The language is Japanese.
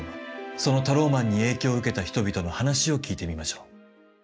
そのタローマンに影響を受けた人々の話を聞いてみましょう。